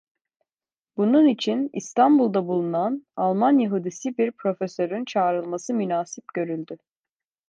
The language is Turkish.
Bunun için İstanbul'da bulunan Alman Yahudisi bir profesörün çağrılması münasip görüldü.